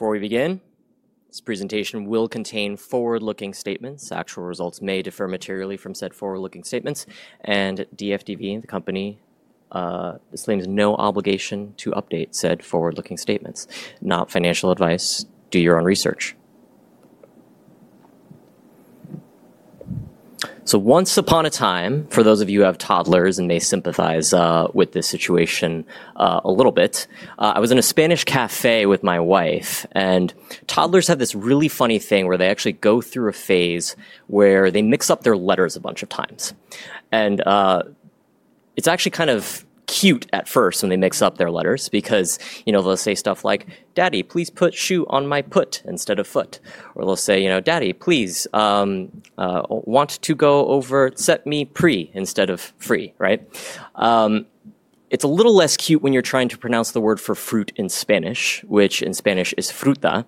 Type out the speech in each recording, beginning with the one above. Before we begin, this presentation will contain forward-looking statements. Actual results may differ materially from said forward-looking statements, and DFDV, the company, thus claims no obligation to update said forward-looking statements. Not financial advice. Do your own research. So once upon a time, for those of you who have toddlers and may sympathize with this situation a little bit, I was in a Spanish café with my wife, and toddlers have this really funny thing where they actually go through a phase where they mix up their letters a bunch of times. And it's actually kind of cute at first when they mix up their letters because, you know, they'll say stuff like, "Daddy, please put shoe on my put instead of foot." Or they'll say, you know, "Daddy, please, want to go over set me pre instead of free," right? It's a little less cute when you're trying to pronounce the word for fruit in Spanish, which in Spanish is fruta.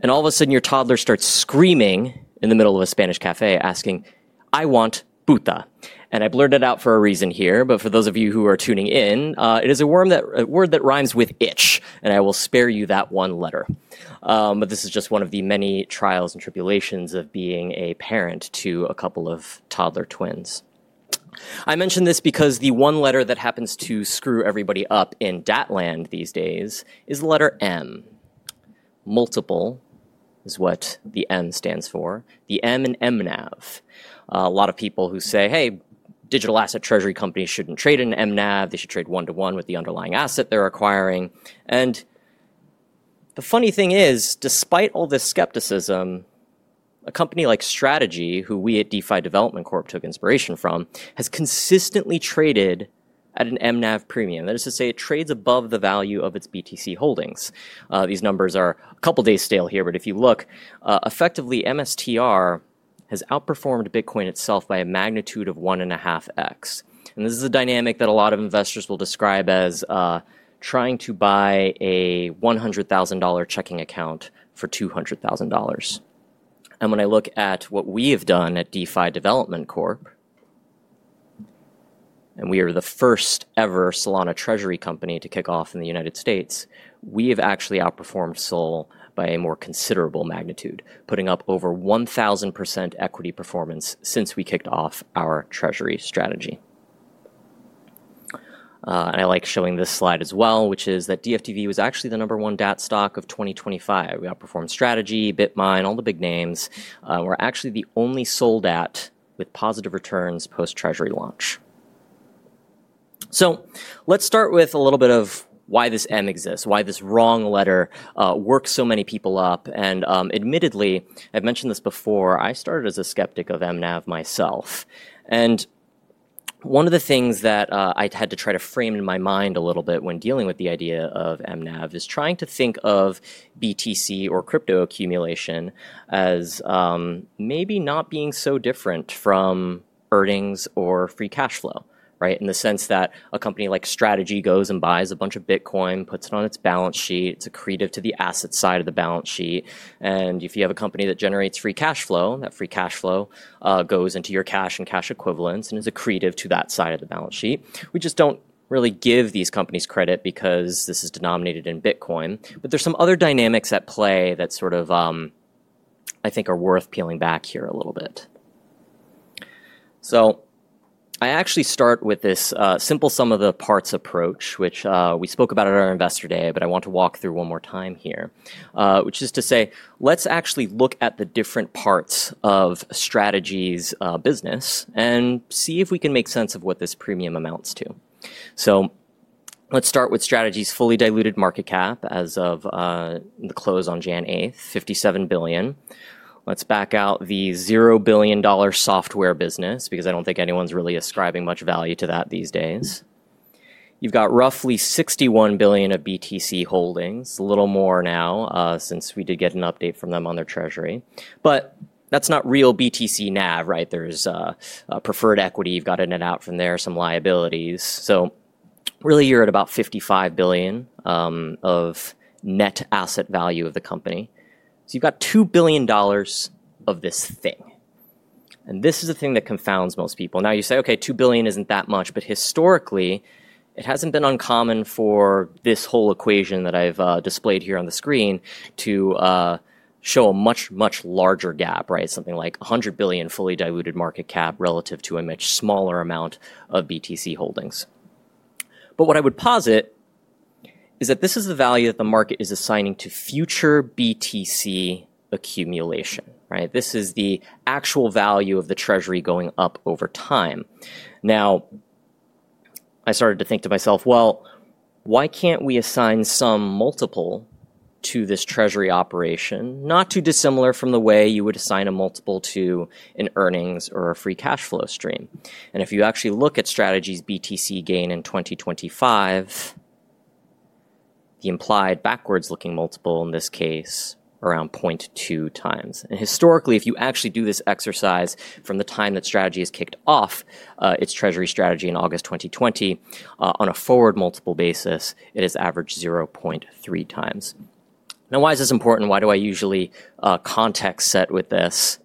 And all of a sudden your toddler starts screaming in the middle of a Spanish café asking, "I want puta." And I blurted out for a reason here, but for those of you who are tuning in, it is a word that rhymes with itch, and I will spare you that one letter. But this is just one of the many trials and tribulations of being a parent to a couple of toddler twins. I mention this because the one letter that happens to screw everybody up in DATland these days is the letter M. Multiple is what the M stands for. The M in MNAV. A lot of people who say, "Hey, digital asset treasury companies shouldn't trade in MNAV. They should trade one-to-one with the underlying asset they're acquiring." The funny thing is, despite all this skepticism, a company like Strategy, who we at DeFi Development Corp took inspiration from, has consistently traded at an MNAV premium. That is to say, it trades above the value of its BTC holdings. These numbers are a couple days stale here, but if you look, effectively MSTR has outperformed Bitcoin itself by a magnitude of one and a half X. This is a dynamic that a lot of investors will describe as, trying to buy a $100,000 checking account for $200,000. When I look at what we have done at DeFi Development Corp, and we are the first ever Solana treasury company to kick off in the United States, we have actually outperformed SOL by a more considerable magnitude, putting up over 1,000% equity performance since we kicked off our treasury strategy. I like showing this slide as well, which is that DFDV was actually the number one DAT stock of 2025. We outperformed Strategy, BitMain, all the big names, and we're actually the only SOL DAT with positive returns post-treasury launch. Let's start with a little bit of why this MSTR exists, why this four-letter works so many people up. Admittedly, I've mentioned this before, I started as a skeptic of MNAV myself. And one of the things that, I had to try to frame in my mind a little bit when dealing with the idea of MNAV is trying to think of BTC or crypto accumulation as, maybe not being so different from earnings or free cash flow, right? In the sense that a company like Strategy goes and buys a bunch of Bitcoin, puts it on its balance sheet, it's accretive to the asset side of the balance sheet. And if you have a company that generates free cash flow, that free cash flow goes into your cash and cash equivalents and is accretive to that side of the balance sheet. We just don't really give these companies credit because this is denominated in Bitcoin. But there's some other dynamics at play that sort of, I think are worth peeling back here a little bit. So I actually start with this simple sum of the parts approach, which we spoke about at our investor day, but I want to walk through one more time here, which is to say, let's actually look at the different parts of Strategy's business and see if we can make sense of what this premium amounts to. Let's start with Strategy's fully diluted market cap as of the close on January 8th, $57 billion. Let's back out the $0 billion software business because I don't think anyone's really ascribing much value to that these days. You've got roughly $61 billion of BTC holdings, a little more now, since we did get an update from them on their treasury. But that's not real BTC NAV, right? There's preferred equity, you've got in and out from there, some liabilities. So really you're at about $55 billion of net asset value of the company. So you've got $2 billion of this thing. And this is the thing that confounds most people. Now you say, "Okay, $2 billion isn't that much," but historically it hasn't been uncommon for this whole equation that I've displayed here on the screen to show a much, much larger gap, right? Something like $100 billion fully diluted market cap relative to a much smaller amount of BTC holdings. But what I would posit is that this is the value that the market is assigning to future BTC accumulation, right? This is the actual value of the treasury going up over time. Now I started to think to myself, "Well, why can't we assign some multiple to this treasury operation, not too dissimilar from the way you would assign a multiple to an earnings or a free cash flow stream?" And if you actually look at Strategy's BTC gain in 2025, the implied backwards-looking multiple in this case is around 0.2 times. And historically, if you actually do this exercise from the time that Strategy has kicked off, its treasury strategy in August 2020, on a forward multiple basis, it has averaged 0.3 times. Now, why is this important? Why do I usually context set with this?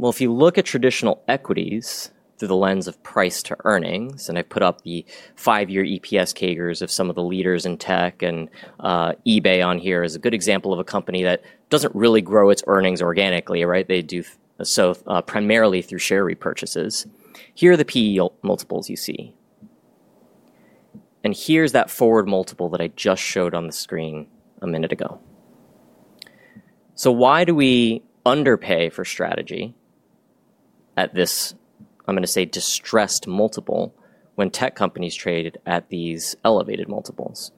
If you look at traditional equities through the lens of price to earnings, and I put up the five-year EPS CAGRs of some of the leaders in tech, and eBay on here is a good example of a company that doesn't really grow its earnings organically, right? They do so, primarily through share repurchases. Here are the P/E multiples you see. Here's that forward multiple that I just showed on the screen a minute ago. Why do we underpay for Strategy at this, I'm going to say, distressed multiple when tech companies trade at these elevated multiples?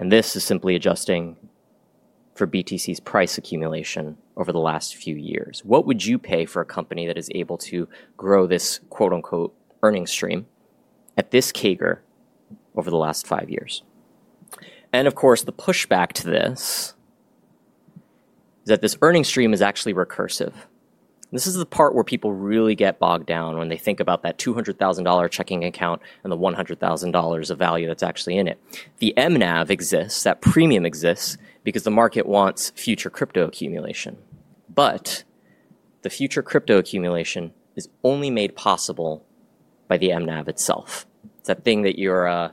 This is simply adjusting for BTC's price accumulation over the last few years. What would you pay for a company that is able to grow this "earnings stream" at this CAGR over the last five years? And of course, the pushback to this is that this earnings stream is actually recursive. This is the part where people really get bogged down when they think about that $200,000 checking account and the $100,000 of value that's actually in it. The MNAV exists, that premium exists because the market wants future crypto accumulation. But the future crypto accumulation is only made possible by the MNAV itself. It's that thing that your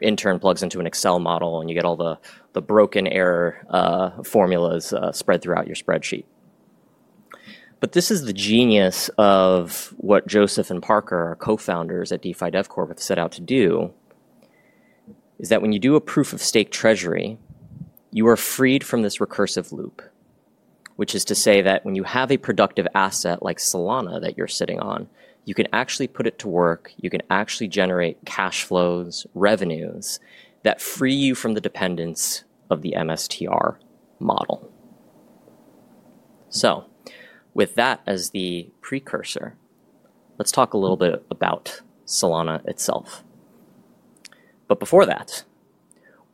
intern plugs into an Excel model and you get all the broken error formulas spread throughout your spreadsheet. But this is the genius of what Joseph and Parker, our co-founders at DeFi Development Corp, have set out to do, is that when you do a proof of stake treasury, you are freed from this recursive loop, which is to say that when you have a productive asset like Solana that you're sitting on, you can actually put it to work, you can actually generate cash flows, revenues that free you from the dependence of the MSTR model. So with that as the precursor, let's talk a little bit about Solana itself. But before that,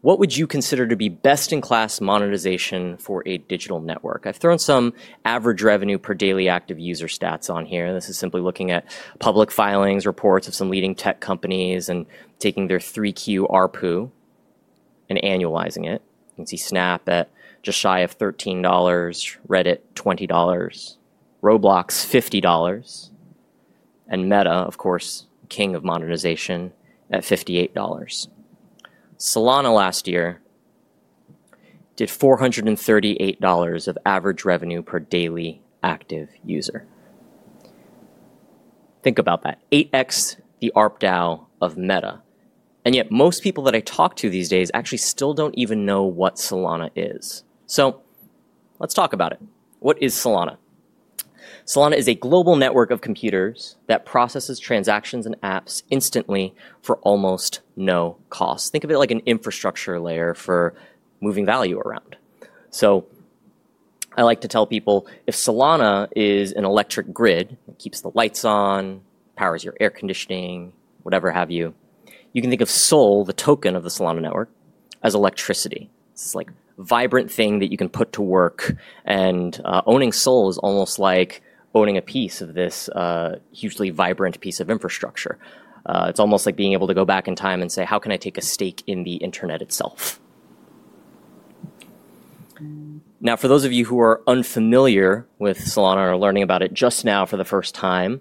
what would you consider to be best-in-class monetization for a digital network? I've thrown some average revenue per daily active user stats on here. This is simply looking at public filings, reports of some leading tech companies, and taking their 3Q ARPU and annualizing it. You can see Snap at just shy of $13, Reddit $20, Roblox $50, and Meta, of course, king of monetization at $58. Solana last year did $438 of average revenue per daily active user. Think about that. 8X the ARPDAU of Meta. And yet most people that I talk to these days actually still don't even know what Solana is. So let's talk about it. What is Solana? Solana is a global network of computers that processes transactions and apps instantly for almost no cost. Think of it like an infrastructure layer for moving value around. So I like to tell people, if Solana is an electric grid that keeps the lights on, powers your air conditioning, whatever have you, you can think of SOL, the token of the Solana network, as electricity. It's this like vibrant thing that you can put to work, and, owning SOL is almost like owning a piece of this, hugely vibrant piece of infrastructure. It's almost like being able to go back in time and say, "How can I take a stake in the internet itself?" Now, for those of you who are unfamiliar with Solana or learning about it just now for the first time,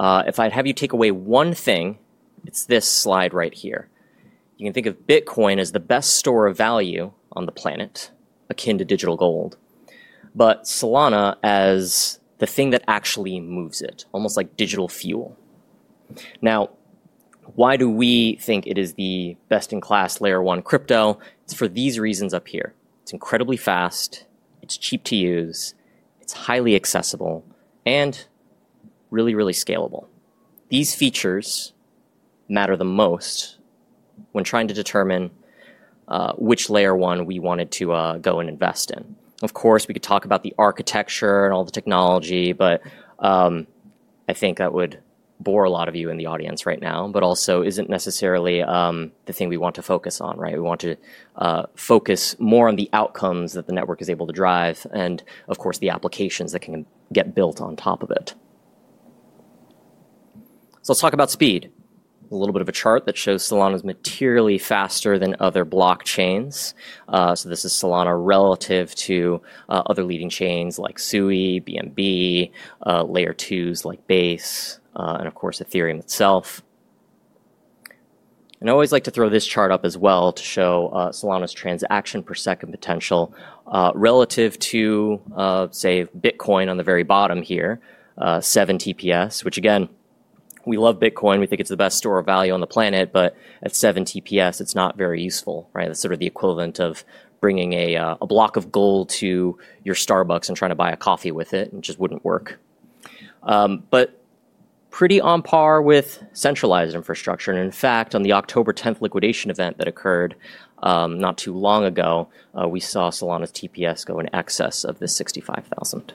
if I'd have you take away one thing, it's this slide right here. You can think of Bitcoin as the best store of value on the planet, akin to digital gold, but Solana as the thing that actually moves it, almost like digital fuel. Now, why do we think it is the best-in-class layer one crypto? It's for these reasons up here. It's incredibly fast, it's cheap to use, it's highly accessible, and really, really scalable. These features matter the most when trying to determine which Layer 1 we wanted to go and invest in. Of course, we could talk about the architecture and all the technology, but I think that would bore a lot of you in the audience right now, but also isn't necessarily the thing we want to focus on, right? We want to focus more on the outcomes that the network is able to drive and, of course, the applications that can get built on top of it. So let's talk about speed. A little bit of a chart that shows Solana is materially faster than other blockchains. So this is Solana relative to other leading chains like SUI, BNB, Layer 2s like Base, and of course Ethereum itself. I always like to throw this chart up as well to show Solana's transactions per second potential relative to, say, Bitcoin on the very bottom here, 7 TPS, which again, we love Bitcoin. We think it's the best store of value on the planet, but at 7 TPS, it's not very useful, right? That's sort of the equivalent of bringing a block of gold to your Starbucks and trying to buy a coffee with it, and it just wouldn't work, but pretty on par with centralized infrastructure. In fact, on the October 10th liquidation event that occurred not too long ago, we saw Solana's TPS go in excess of the 65,000.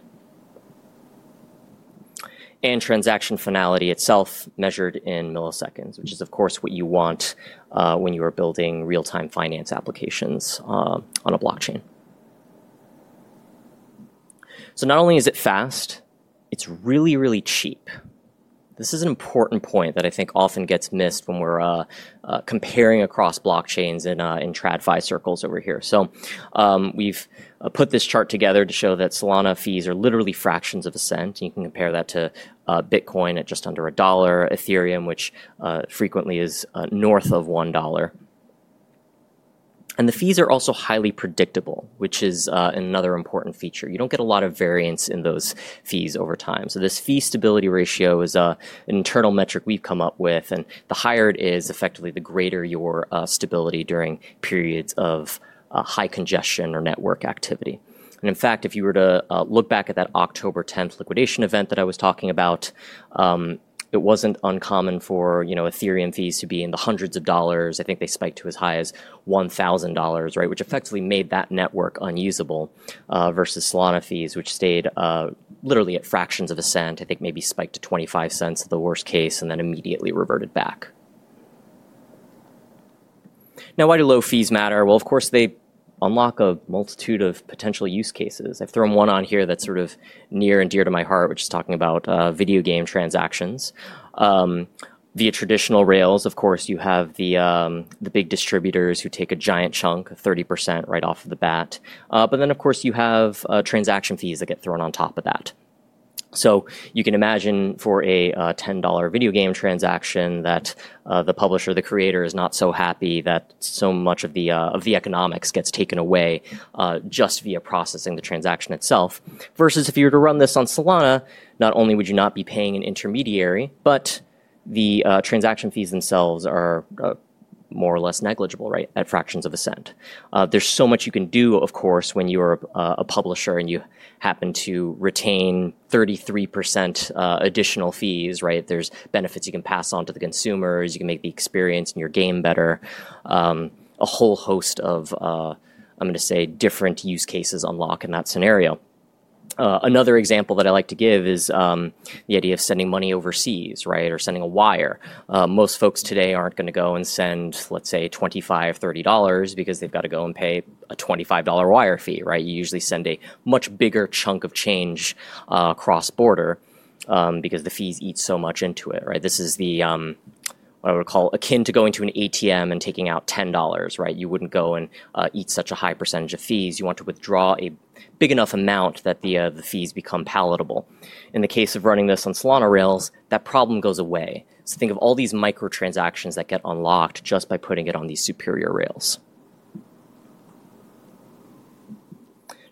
Transaction finality itself, measured in milliseconds, which is, of course, what you want when you are building real-time finance applications on a blockchain. Not only is it fast, it's really, really cheap. This is an important point that I think often gets missed when we're comparing across blockchains in TradFi circles over here. So, we've put this chart together to show that Solana fees are literally fractions of a cent. You can compare that to Bitcoin at just under a dollar, Ethereum, which frequently is north of $1. And the fees are also highly predictable, which is another important feature. You don't get a lot of variance in those fees over time. So this Fee Stability Ratio is an internal metric we've come up with, and the higher it is, effectively the greater your stability during periods of high congestion or network activity. And in fact, if you were to look back at that October 10th Liquidation Event that I was talking about, it wasn't uncommon for you know Ethereum fees to be in the hundreds of dollars. I think they spiked to as high as $1,000, right? Which effectively made that network unusable, versus Solana fees, which stayed, literally at fractions of a cent, I think maybe spiked to $0.25 at the worst case, and then immediately reverted back. Now, why do low fees matter? Well, of course, they unlock a multitude of potential use cases. I've thrown one on here that's sort of near and dear to my heart, which is talking about video game transactions via traditional rails, of course, you have the, the big distributors who take a giant chunk of 30% right off the bat. But then of course you have, transaction fees that get thrown on top of that. So you can imagine for a $10 video game transaction that the publisher, the creator is not so happy that so much of the of the economics gets taken away, just via processing the transaction itself. Versus if you were to run this on Solana, not only would you not be paying an intermediary, but the transaction fees themselves are more or less negligible, right? At fractions of a cent. There's so much you can do, of course, when you're a publisher and you happen to retain 33% additional fees, right? There's benefits you can pass on to the consumers, you can make the experience in your game better. A whole host of, I'm going to say different use cases unlock in that scenario. Another example that I like to give is the idea of sending money overseas, right? Or sending a wire. Most folks today aren't going to go and send, let's say, $25, $30 because they've got to go and pay a $25 wire fee, right? You usually send a much bigger chunk of change, cross-border, because the fees eat so much into it, right? This is the, what I would call akin to going to an ATM and taking out $10, right? You wouldn't go and, eat such a high percentage of fees. You want to withdraw a big enough amount that the, the fees become palatable. In the case of running this on Solana rails, that problem goes away. So think of all these microtransactions that get unlocked just by putting it on these superior rails.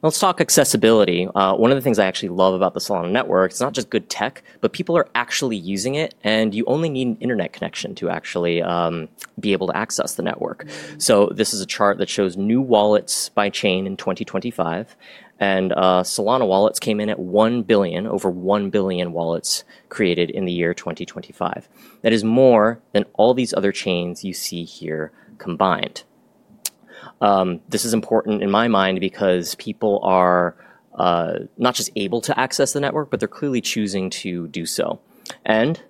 Let's talk accessibility. One of the things I actually love about the Solana network, it's not just good tech, but people are actually using it, and you only need an internet connection to actually be able to access the network. So this is a chart that shows new wallets by chain in 2025, and Solana wallets came in at one billion, over one billion wallets created in the year 2025. That is more than all these other chains you see here combined. This is important in my mind because people are not just able to access the network, but they're clearly choosing to do so. And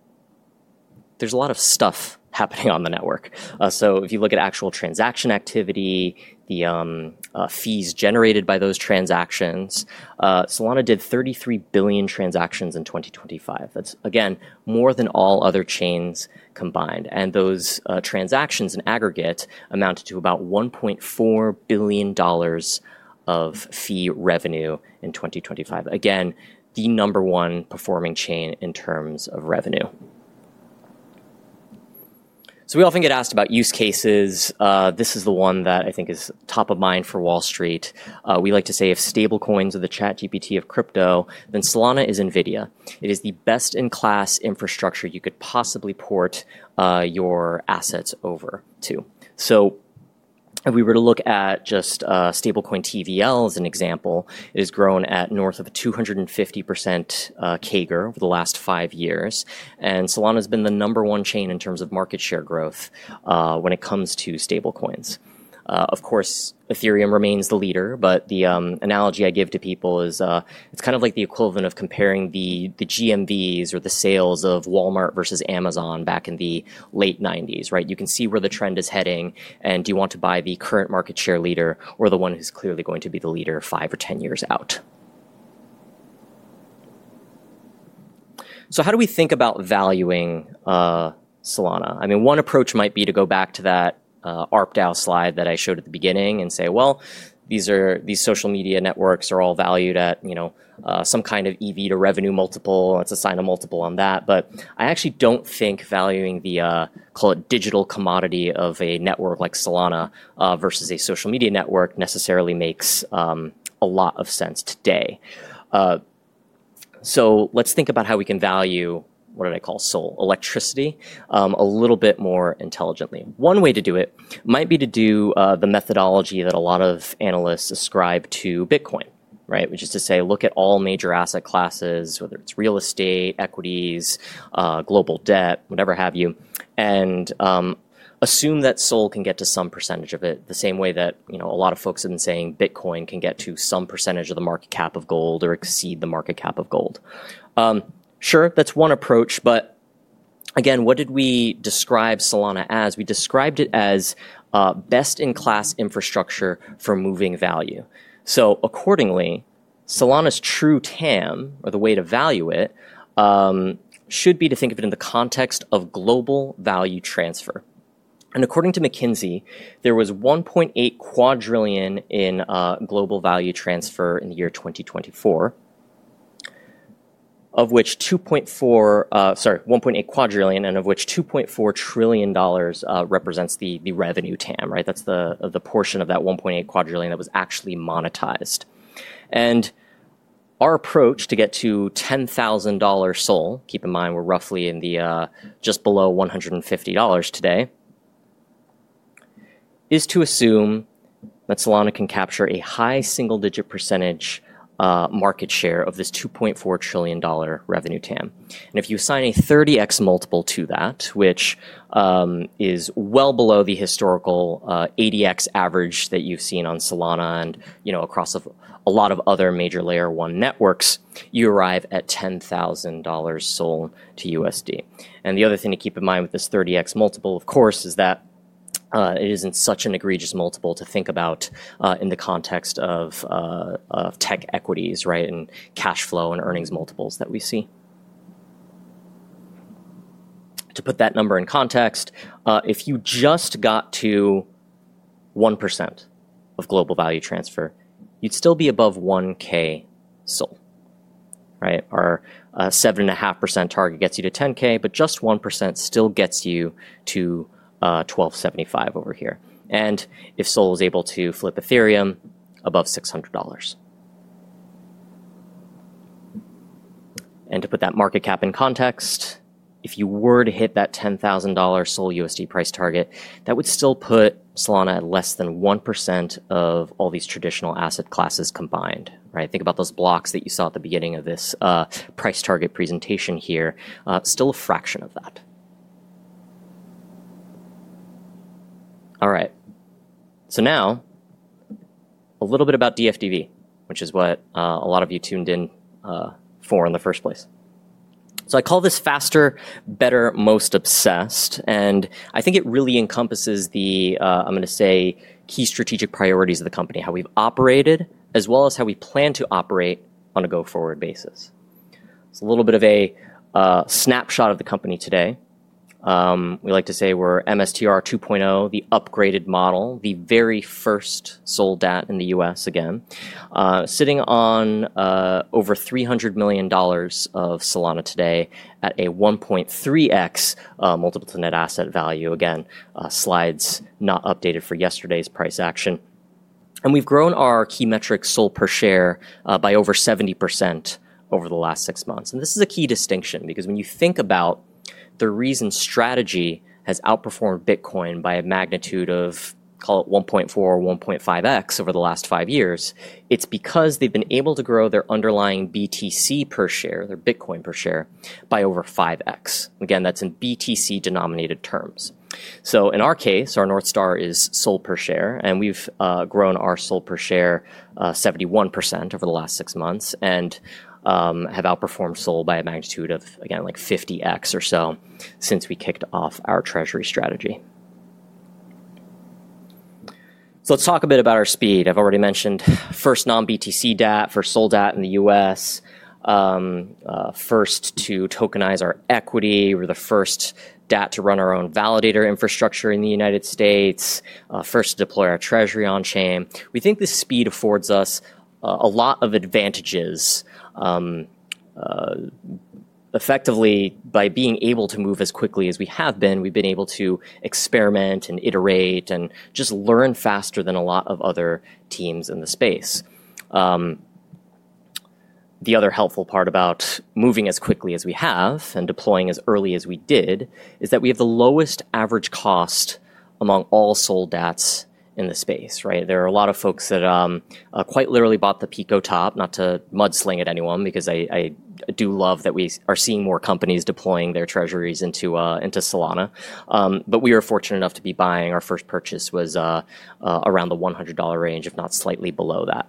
there's a lot of stuff happening on the network. So if you look at actual transaction activity, the fees generated by those transactions, Solana did 33 billion transactions in 2025. That's again more than all other chains combined. Those transactions in aggregate amounted to about $1.4 billion of fee revenue in 2025. Again, the number one performing chain in terms of revenue. We often get asked about use cases. This is the one that I think is top of mind for Wall Street. We like to say if stablecoins are the ChatGPT of crypto, then Solana is Nvidia. It is the best-in-class infrastructure you could possibly port your assets over to. If we were to look at just stablecoin TVL as an example, it has grown at north of a 250% CAGR over the last five years. Solana has been the number one chain in terms of market share growth when it comes to stablecoins. Of course, Ethereum remains the leader, but the analogy I give to people is, it's kind of like the equivalent of comparing the GMVs or the sales of Walmart versus Amazon back in the late 1990s, right? You can see where the trend is heading, and do you want to buy the current market share leader or the one who's clearly going to be the leader five or ten years out? So how do we think about valuing Solana? I mean, one approach might be to go back to that ARPDAU slide that I showed at the beginning and say, well, these are, these social media networks are all valued at, you know, some kind of EV to revenue multiple. That's a sign of multiple on that. But I actually don't think valuing the, call it digital commodity of a network like Solana, versus a social media network necessarily makes a lot of sense today. So let's think about how we can value what did I call SOL, electricity, a little bit more intelligently. One way to do it might be to do the methodology that a lot of analysts ascribe to Bitcoin, right? Which is to say, look at all major asset classes, whether it's real estate, equities, global debt, whatever have you, and assume that SOL can get to some percentage of it the same way that, you know, a lot of folks have been saying Bitcoin can get to some percentage of the market cap of gold or exceed the market cap of gold. Sure, that's one approach, but again, what did we describe Solana as? We described it as best-in-class infrastructure for moving value. So accordingly, Solana's true TAM, or the way to value it, should be to think of it in the context of global value transfer. According to McKinsey, there was $1.8 quadrillion in global value transfer in the year 2024, of which 2.4, sorry, $1.8 quadrillion, and of which $2.4 trillion represents the, the revenue TAM, right? That's the, the portion of that $1.8 quadrillion that was actually monetized. Our approach to get to $10,000 SOL, keep in mind we're roughly in the, just below $150 today, is to assume that Solana can capture a high single-digit percentage market share of this $2.4 trillion revenue TAM. If you assign a 30x multiple to that, which is well below the historical 80x average that you've seen on Solana and, you know, across a lot of other major layer one networks, you arrive at $10,000 SOL to USD. The other thing to keep in mind with this 30x multiple, of course, is that it isn't such an egregious multiple to think about in the context of tech equities, right? And cash flow and earnings multiples that we see. To put that number in context, if you just got to 1% of global value transfer, you'd still be above 1K SOL, right? Our 7.5% target gets you to 10K, but just 1% still gets you to 1275 over here. If SOL was able to flip Ethereum above $600. And to put that market cap in context, if you were to hit that $10,000 SOL USD price target, that would still put Solana at less than 1% of all these traditional asset classes combined, right? Think about those blocks that you saw at the beginning of this, price target presentation here, still a fraction of that. All right. So now a little bit about DFDV, which is what, a lot of you tuned in, for in the first place. So I call this faster, better, most obsessed, and I think it really encompasses the, I'm going to say key strategic priorities of the company, how we've operated, as well as how we plan to operate on a go-forward basis. It's a little bit of a, snapshot of the company today. We like to say we're MSTR 2.0, the upgraded model, the very first SOL DAT in the US again, sitting on over $300 million of Solana today at a 1.3x multiple to net asset value. Again, slides not updated for yesterday's price action. We've grown our key metric SOL per share by over 70% over the last six months. This is a key distinction because when you think about the reason Strategy has outperformed Bitcoin by a magnitude of, call it 1.4 or 1.5x over the last five years, it's because they've been able to grow their underlying BTC per share, their Bitcoin per share by over 5x. Again, that's in BTC denominated terms. So in our case, our North Star is SOL per share, and we've grown our SOL per share 71% over the last six months and have outperformed SOL by a magnitude of again, like 50x or so since we kicked off our treasury strategy. Let's talk a bit about our speed. I've already mentioned first non-BTC DAT, first SOL DAT in the U.S., first to tokenize our equity. We're the first DAT to run our own validator infrastructure in the United States, first to deploy our treasury on chain. We think this speed affords us a lot of advantages, effectively by being able to move as quickly as we have been. We've been able to experiment and iterate and just learn faster than a lot of other teams in the space. The other helpful part about moving as quickly as we have and deploying as early as we did is that we have the lowest average cost among all SOL DATs in the space, right? There are a lot of folks that, quite literally bought the Pico Top, not to mudsling at anyone because I, I do love that we are seeing more companies deploying their treasuries into, into Solana. But we are fortunate enough to be buying. Our first purchase was, around the $100 range, if not slightly below that.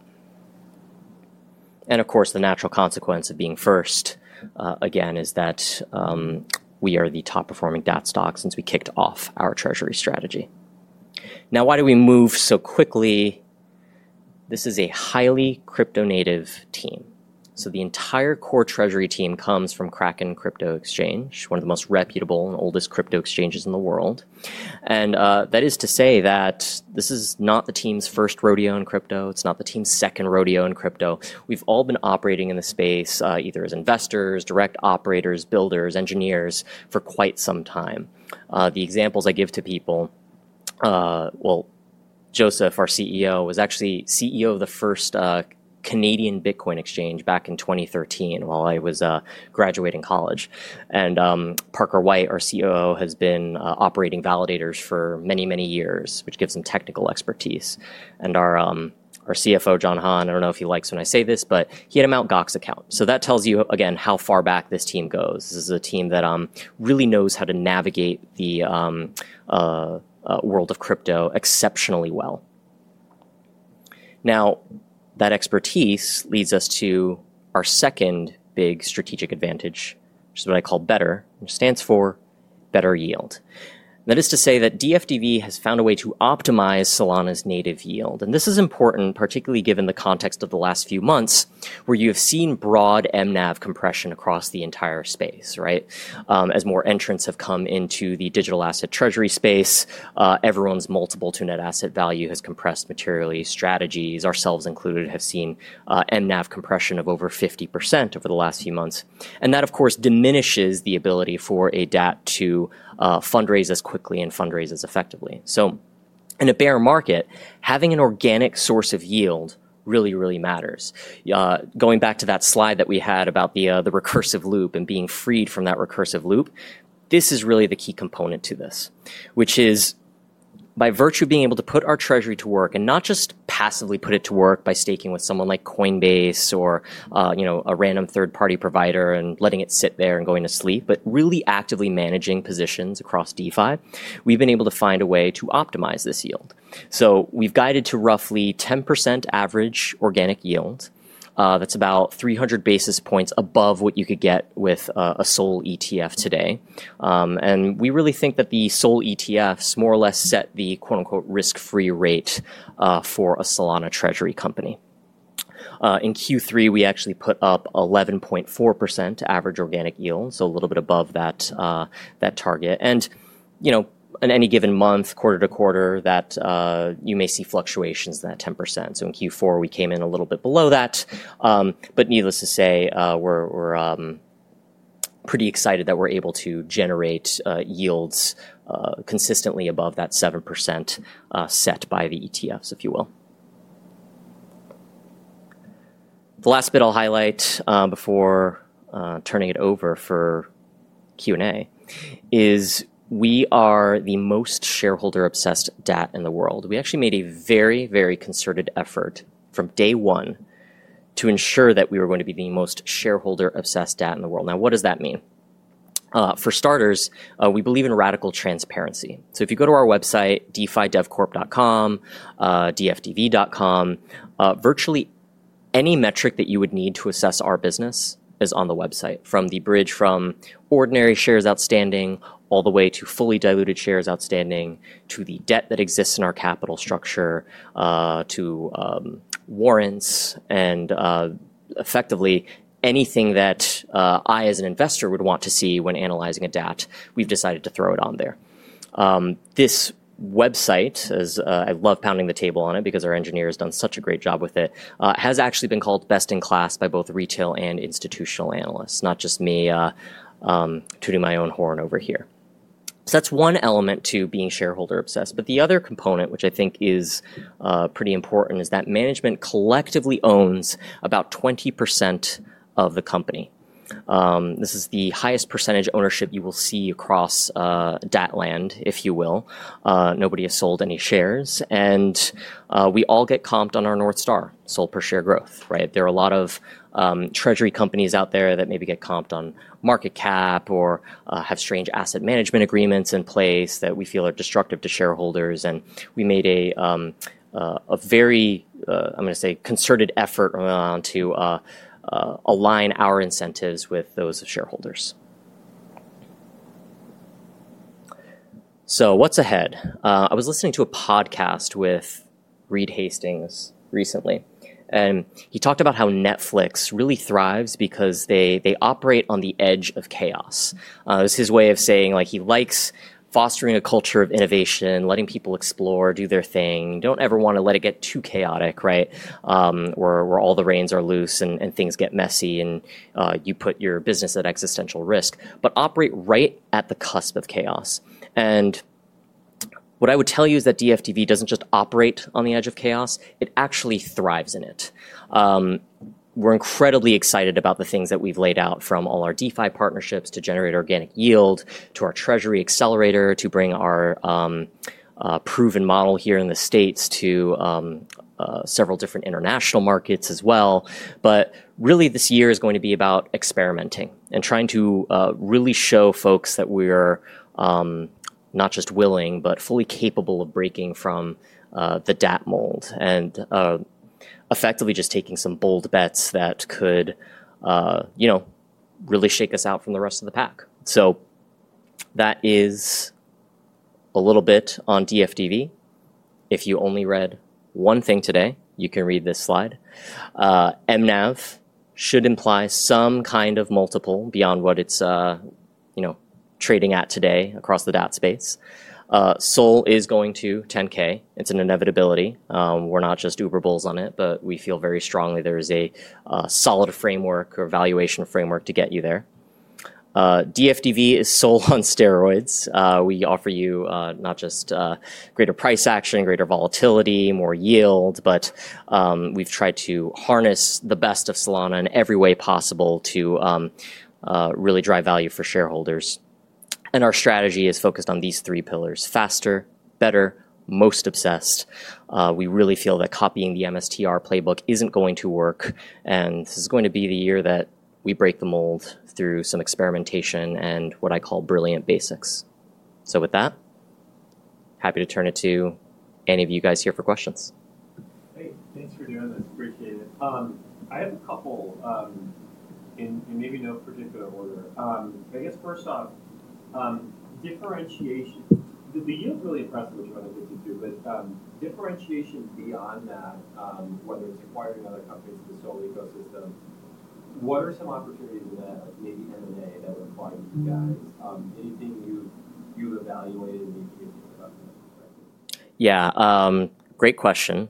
And of course, the natural consequence of being first, again, is that, we are the top performing DAT stock since we kicked off our treasury strategy. Now, why did we move so quickly? This is a highly crypto-native team. The entire core treasury team comes from Kraken Crypto Exchange, one of the most reputable and oldest crypto exchanges in the world. That is to say that this is not the team's first rodeo in crypto. It's not the team's second rodeo in crypto. We've all been operating in the space, either as investors, direct operators, builders, engineers for quite some time. The examples I give to people, well, Joseph, our CEO, was actually CEO of the first Canadian Bitcoin exchange back in 2013 while I was graduating college. Parker White, our COO, has been operating validators for many, many years, which gives him technical expertise. Our CFO, John Hahn, I don't know if he likes when I say this, but he had a Mt. Gox account. That tells you again how far back this team goes. This is a team that really knows how to navigate the world of crypto exceptionally well. Now, that expertise leads us to our second big strategic advantage, which is what I call better, which stands for better yield. That is to say that DFDV has found a way to optimize Solana's native yield. And this is important, particularly given the context of the last few months where you have seen broad MNAV compression across the entire space, right? As more entrants have come into the digital asset treasury space, everyone's multiple to net asset value has compressed materially. Strategy, ourselves included, have seen MNAV compression of over 50% over the last few months. And that, of course, diminishes the ability for a DAT to fundraise as quickly and fundraise as effectively. So, in a bear market, having an organic source of yield really, really matters. Going back to that slide that we had about the recursive loop and being freed from that recursive loop, this is really the key component to this, which is by virtue of being able to put our treasury to work and not just passively put it to work by staking with someone like Coinbase or, you know, a random third-party provider and letting it sit there and going to sleep, but really actively managing positions across DeFi, we've been able to find a way to optimize this yield. So we've guided to roughly 10% average organic yield. That's about 300 basis points above what you could get with a SOL ETF today. And we really think that the SOL ETFs more or less set the quote unquote risk-free rate for a Solana treasury company. In Q3, we actually put up 11.4% average organic yield, so a little bit above that target. And you know, in any given month, quarter to quarter, you may see fluctuations in that 10%. So in Q4, we came in a little bit below that, but needless to say, we're pretty excited that we're able to generate yields consistently above that 7%, set by the ETFs, if you will. The last bit I'll highlight before turning it over for Q&A is we are the most shareholder-obsessed DAT in the world. We actually made a very, very concerted effort from day one to ensure that we were going to be the most shareholder-obsessed DAT in the world. Now, what does that mean? For starters, we believe in radical transparency. If you go to our website, defidevcorp.com, dfdv.com, virtually any metric that you would need to assess our business is on the website from the breakdown from ordinary shares outstanding all the way to fully diluted shares outstanding to the debt that exists in our capital structure, to warrants and, effectively anything that I as an investor would want to see when analyzing a DAT, we've decided to throw it on there. This website, as I love pounding the table on it because our engineer has done such a great job with it, has actually been called best in class by both retail and institutional analysts, not just me, tooting my own horn over here. That's one element to being shareholder-obsessed. But the other component, which I think is pretty important, is that management collectively owns about 20% of the company. This is the highest percentage ownership you will see across DAT land, if you will. Nobody has sold any shares. We all get comped on our North Star, SOL per share growth, right? There are a lot of treasury companies out there that maybe get comped on market cap or have strange asset management agreements in place that we feel are destructive to shareholders. We made a very concerted effort to align our incentives with those of shareholders. What's ahead? I was listening to a podcast with Reed Hastings recently, and he talked about how Netflix really thrives because they operate on the edge of chaos. It was his way of saying, like, he likes fostering a culture of innovation, letting people explore, do their thing. You don't ever want to let it get too chaotic, right? where all the reins are loose and things get messy and you put your business at existential risk, but operate right at the cusp of chaos. And what I would tell you is that DFDV doesn't just operate on the edge of chaos. It actually thrives in it. We're incredibly excited about the things that we've laid out from all our DeFi partnerships to generate organic yield to our treasury accelerator to bring our proven model here in the States to several different international markets as well. But really this year is going to be about experimenting and trying to really show folks that we are not just willing, but fully capable of breaking from the DAT mold and effectively just taking some bold bets that could you know really shake us out from the rest of the pack. So that is a little bit on DFDV. If you only read one thing today, you can read this slide. MNAV should imply some kind of multiple beyond what it's, you know, trading at today across the DAT space. SOL is going to 10K. It's an inevitability. We're not just uber bulls on it, but we feel very strongly there is a solid framework or valuation framework to get you there. DFDV is SOL on steroids. We offer you, not just greater price action, greater volatility, more yield, but we've tried to harness the best of Solana in every way possible to really drive value for shareholders, and our strategy is focused on these three pillars: faster, better, most obsessed. We really feel that copying the MSTR playbook isn't going to work, and this is going to be the year that we break the mold through some experimentation and what I call brilliant basics. So with that, happy to turn it to any of you guys here for questions. Hey, thanks for doing this. Appreciate it. I have a couple, in maybe no particular order. I guess first off, differentiation, the yield's really impressive what you want to get to do, but, differentiation beyond that, whether it's acquiring other companies in the SOL ecosystem, what are some opportunities in that, like maybe M&A that would apply to you guys? Anything you've evaluated and you think about? Yeah, great question.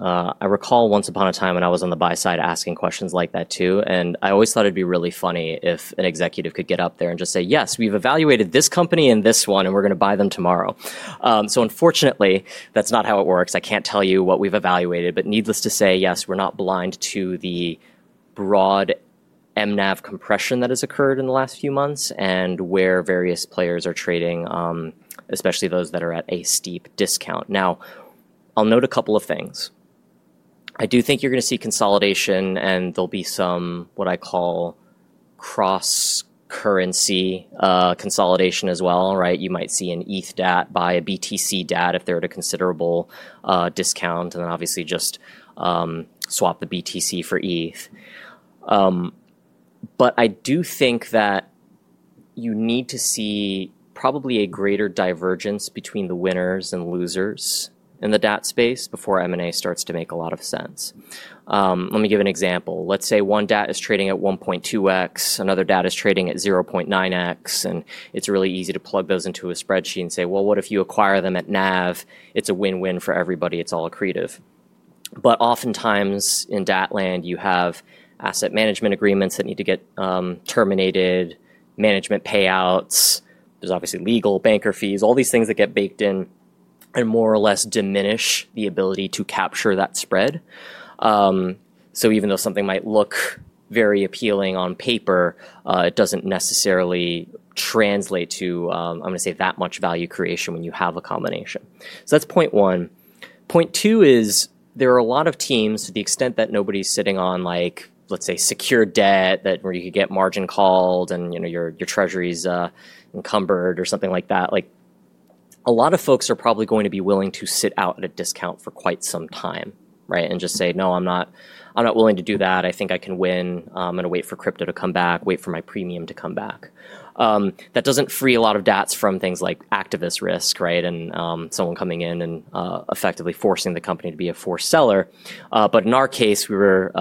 I recall once upon a time when I was on the buy side asking questions like that too, and I always thought it'd be really funny if an executive could get up there and just say, "Yes, we've evaluated this company and this one, and we're going to buy them tomorrow." So unfortunately, that's not how it works. I can't tell you what we've evaluated, but needless to say, yes, we're not blind to the broad MNAV compression that has occurred in the last few months and where various players are trading, especially those that are at a steep discount. Now, I'll note a couple of things. I do think you're going to see consolidation, and there'll be some what I call cross-currency consolidation as well, right? You might see an ETH DAT buy a BTC DAT if they're at a considerable discount, and then obviously just swap the BTC for ETH. But I do think that you need to see probably a greater divergence between the winners and losers in the DAT space before M&A starts to make a lot of sense. Let me give an example. Let's say one DAT is trading at 1.2x, another DAT is trading at 0.9x, and it's really easy to plug those into a spreadsheet and say, "Well, what if you acquire them at NAV? It's a win-win for everybody. It's all accretive." But oftentimes in DAT land, you have asset management agreements that need to get terminated, management payouts. There's obviously legal banker fees, all these things that get baked in and more or less diminish the ability to capture that spread. So even though something might look very appealing on paper, it doesn't necessarily translate to, I'm going to say, that much value creation when you have a combination. So that's point one. Point two is there are a lot of teams to the extent that nobody's sitting on, like, let's say secure debt that where you could get margin called and, you know, your, your treasury's, encumbered or something like that. Like a lot of folks are probably going to be willing to sit out at a discount for quite some time, right? And just say, "No, I'm not, I'm not willing to do that. I think I can win. I'm going to wait for crypto to come back, wait for my premium to come back." That doesn't free a lot of DATs from things like activist risk, right? Someone coming in and effectively forcing the company to be a forced seller. But in our case, we were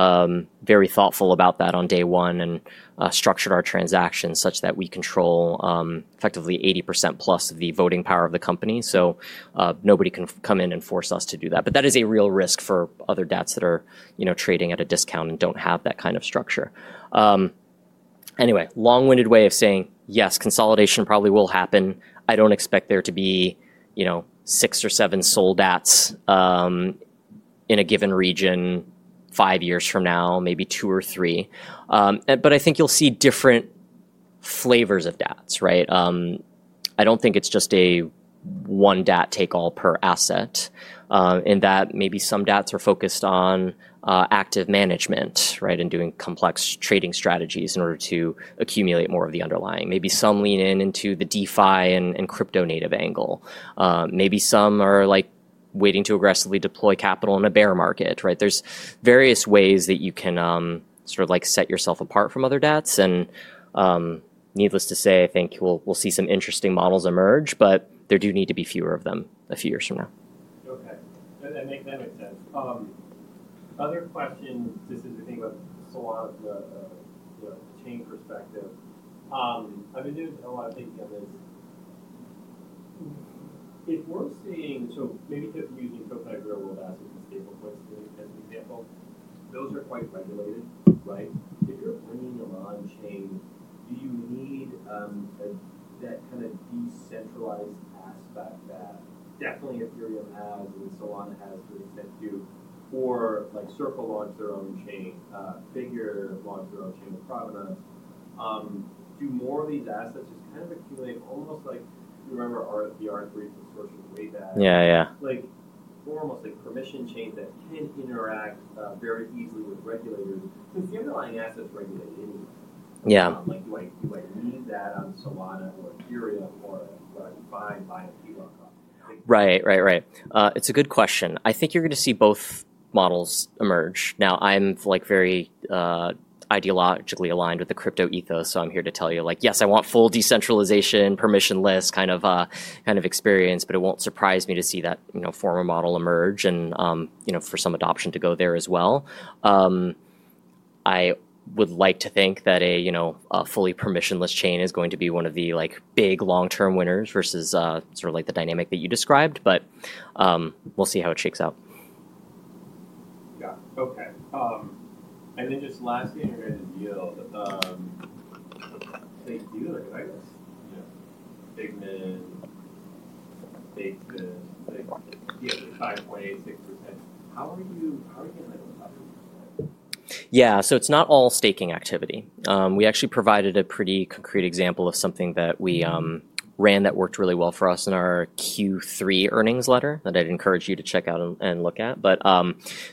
very thoughtful about that on day one and structured our transactions such that we control effectively 80% plus of the voting power of the company. So, nobody can come in and force us to do that. But that is a real risk for other DATs that are, you know, trading at a discount and don't have that kind of structure. Anyway, long-winded way of saying yes, consolidation probably will happen. I don't expect there to be, you know, six or seven SOL DATs in a given region five years from now, maybe two or three. But I think you'll see different flavors of DATs, right? I don't think it's just a one DAT take all per asset, in that maybe some DATs are focused on active management, right, and doing complex trading strategies in order to accumulate more of the underlying. Maybe some lean into the DeFi and crypto native angle. Maybe some are like waiting to aggressively deploy capital in a bear market, right? There's various ways that you can, sort of like set yourself apart from other DATs. And needless to say, I think we'll see some interesting models emerge, but there do need to be fewer of them a few years from now. Okay. That makes sense. Other questions, this is, I think, about Solana from a, you know, chain perspective. I've been doing a lot of thinking on this. If we're seeing, so maybe using tokenized real world assets and stablecoins as an example, those are quite regulated, right? If you're bringing them on chain, do you need that kind of decentralized aspect that definitely Ethereum has and Solana has to the extent, or like Circle launch their own chain, Figure launch their own chain of provenance, do more of these assets just kind of accumulate almost like, you remember the article from way back? Yeah, yeah. Like, more almost like permissioned chains that can interact very easily with regulators since the underlying assets are regulated anyway. Yeah. Like, do I need that on Solana or Ethereum or what? Right, right, right. It's a good question. I think you're going to see both models emerge. Now I'm like very ideologically aligned with the crypto ethos, so I'm here to tell you like, yes, I want full decentralization, permissionless kind of experience, but it won't surprise me to see that, you know, former model emerge and, you know, for some adoption to go there as well. I would like to think that a, you know, a fully permissionless chain is going to be one of the like big long-term winners versus, sort of like the dynamic that you described, but, we'll see how it shakes out. Yeah. Okay, and then just lastly, in regard to yield, like yield, like I guess, you know, BitMain, Bitfish, like yields are 5.6%. How are you getting like 100%? Yeah. So it's not all staking activity. We actually provided a pretty concrete example of something that we ran that worked really well for us in our Q3 earnings letter that I'd encourage you to check out and look at. But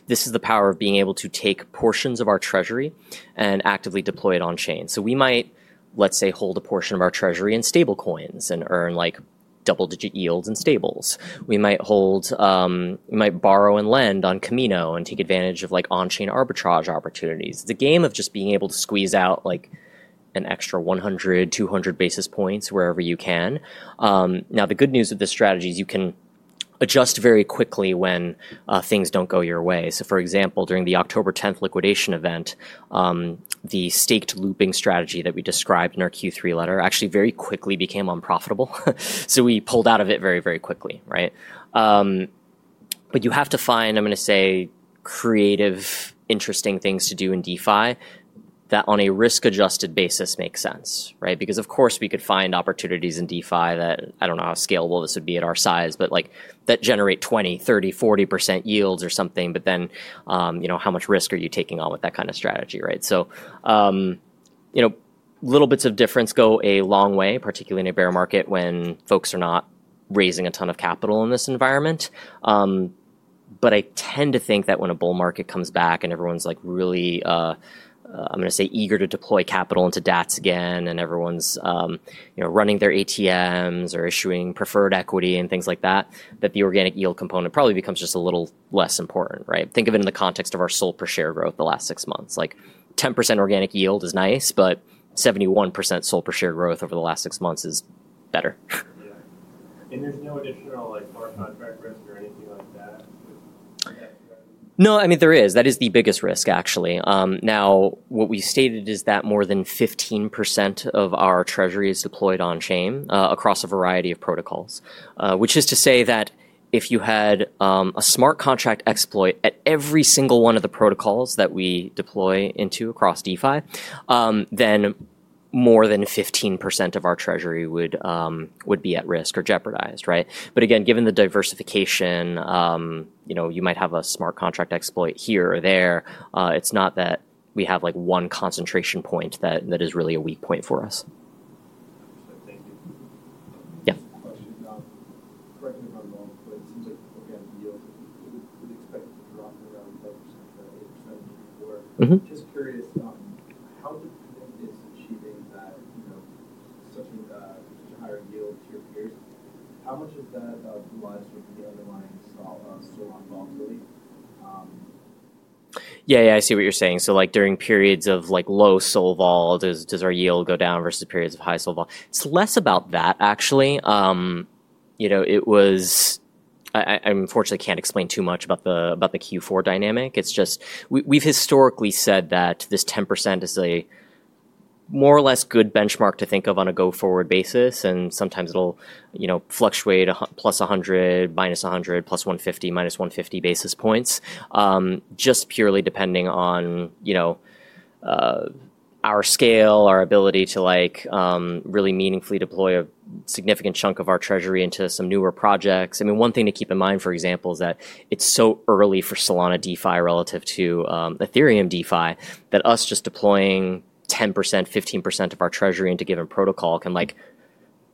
this is the power of being able to take portions of our treasury and actively deploy it on chain. So we might, let's say, hold a portion of our treasury in stablecoins and earn like double-digit yields in stables. We might hold, we might borrow and lend on Kamino and take advantage of like on-chain arbitrage opportunities. It's a game of just being able to squeeze out like an extra 100-200 basis points wherever you can. Now the good news with this strategy is you can adjust very quickly when things don't go your way. So for example, during the October 10th liquidation event, the staked looping strategy that we described in our Q3 letter actually very quickly became unprofitable. So we pulled out of it very, very quickly, right? But you have to find, I'm going to say, creative, interesting things to do in DeFi that on a risk-adjusted basis makes sense, right? Because of course we could find opportunities in DeFi that I don't know how scalable this would be at our size, but like that generate 20%, 30%, 40% yields or something, but then, you know, how much risk are you taking on with that kind of strategy, right? So, you know, little bits of difference go a long way, particularly in a bear market when folks are not raising a ton of capital in this environment. But I tend to think that when a bull market comes back and everyone's like really, I'm going to say eager to deploy capital into DATs again and everyone's, you know, running their ATMs or issuing preferred equity and things like that, that the organic yield component probably becomes just a little less important, right? Think of it in the context of our SOL per share growth the last six months. Like 10% organic yield is nice, but 71% SOL per share growth over the last six months is better. Yeah, and there's no additional like smart contract risk or anything like that? No, I mean there is. That is the biggest risk actually. Now what we stated is that more than 15% of our treasury is deployed on chain, across a variety of protocols, which is to say that if you had a smart contract exploit at every single one of the protocols that we deploy into across DeFi, then more than 15% of our treasury would be at risk or jeopardized, right? But again, given the diversification, you know, you might have a smart contract exploit here or there. It's not that we have like one concentration point that is really a weak point for us. Thank you. Yeah. Question about, correct me if I'm wrong, but it seems like organic yield is expected to drop around 10% to 8% the year before. Mm-hmm. Just curious, how dependent is achieving that, you know, such a higher yield to your peers? How much of that relies from the underlying SOL on volatility? Yeah, yeah, I see what you're saying. So like during periods of like low SOL vol, does our yield go down versus periods of high SOL vol? It's less about that actually. You know, I unfortunately can't explain too much about the Q4 dynamic. It's just, we've historically said that this 10% is a more or less good benchmark to think of on a go-forward basis. And sometimes it'll, you know, fluctuate +100 to -100, +150 to -150 basis points, just purely depending on, you know, our scale, our ability to like, really meaningfully deploy a significant chunk of our treasury into some newer projects. I mean, one thing to keep in mind, for example, is that it's so early for Solana DeFi relative to Ethereum DeFi that us just deploying 10%, 15% of our treasury into a given protocol can like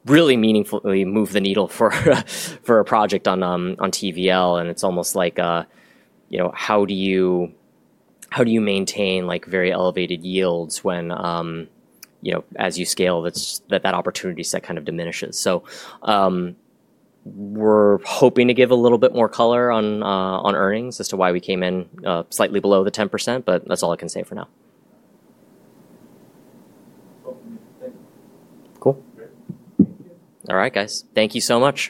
really meaningfully move the needle for a project on TVL. It's almost like, you know, how do you maintain like very elevated yields when, you know, as you scale, that's, that opportunity set kind of diminishes. We're hoping to give a little bit more color on earnings as to why we came in slightly below the 10%, but that's all I can say for now. Cool. All right, guys. Thank you so much.